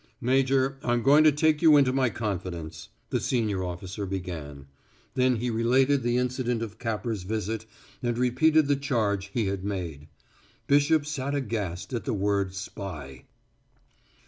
"Major, I'm going to take you into my confidence," the senior officer began; then he related the incident of Capper's visit and repeated the charge he had made. Bishop sat aghast at the word "spy."